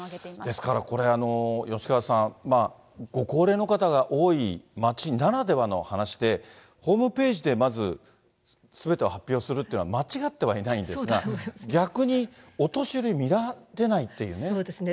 ですからこれ、吉川さん、ご高齢の方が多い町ならではの話で、ホームページでまずすべてを発表するっていうのは、間違ってはいないんですが、逆にお年寄り、そうですね。